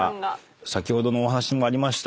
先ほどのお話にもありました。